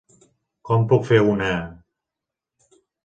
Com puc fer una...?